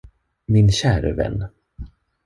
Min käre vän!